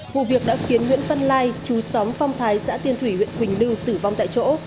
vụ việc đã khiến nguyễn văn lai chú xóm phong thái xã tiên thủy huyện quỳnh lưu tử vong tại chỗ